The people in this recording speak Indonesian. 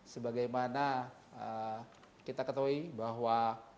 sebagai mana kita ketahui bahwa